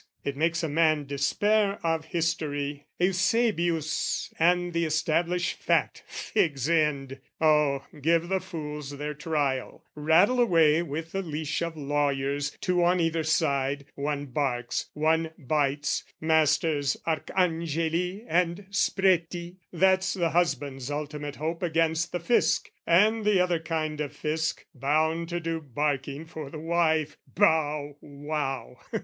It makes a man despair of history, Eusebius and the established fact fig's end! Oh, give the fools their Trial, rattle away With the leash of lawyers, two on either side One barks, one bites, Masters Arcangeli And Spreti, that's the husband's ultimate hope Against the Fisc and the other kind of Fisc, Bound to do barking for the wife: bow wow!